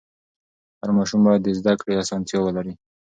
هر ماشوم باید د زده کړې اسانتیا ولري.